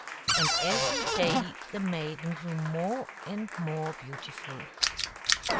And every day the maiden grew more and more beautiful.